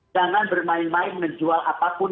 jangan bermain main menjual apapun